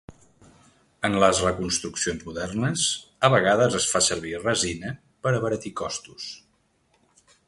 En les reconstruccions modernes a vegades es fa servir resina per abaratir costos.